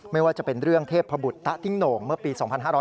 ไม่ว่าจะเป็นเรื่องเทพบุตรตะติ้งโหน่งเมื่อปี๒๕๕๙